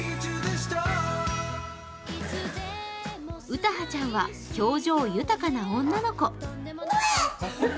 詩葉ちゃんは表情豊かな女の子。